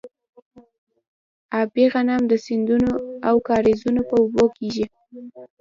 ابي غنم د سیندونو او کاریزونو په اوبو کیږي.